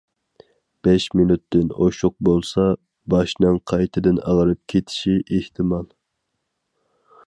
بەش مىنۇتتىن ئوشۇق بولسا، باشنىڭ قايتىدىن ئاغرىپ كېتىشى ئېھتىمال.